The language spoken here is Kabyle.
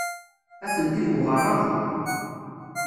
Atenti deg uɣerrabu.